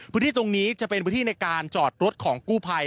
พื้นที่ตรงนี้จะเป็นพื้นที่ในการจอดรถของกู้ภัย